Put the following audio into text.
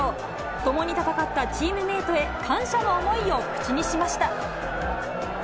共に戦ったチームメートへ、感謝の思いを口にしました。